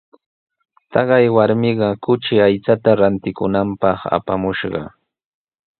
Taqay warmiqa kuchi aychata rantikunanpaq apamushqa.